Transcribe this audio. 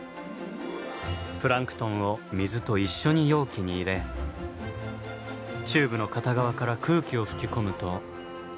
プランクトンを水と一緒に容器に入れチューブの片側から空気を吹き込むと。